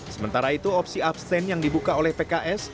sementara itu opsi absen yang dibuka oleh pks